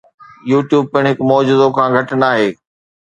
YouTube پڻ هڪ معجزو کان گهٽ ناهي.